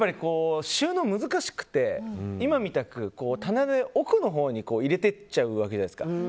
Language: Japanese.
収納が難しくて棚の奥のほうに入れてっちゃうわけじゃないですか。